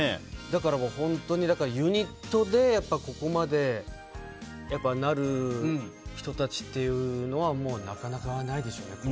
だから本当にユニットでここまでなる人たちっていうのはなかなかないでしょうね。